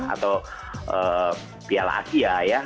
atau biala asia